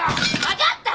分かった。